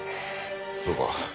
そうか。